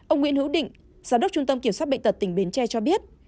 ông nguyễn hữu định giám đốc trung tâm kiểm soát bệnh tật tỉnh bến tre cho biết